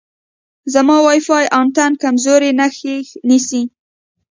زما وای فای انتن کمزورې نښې نیسي.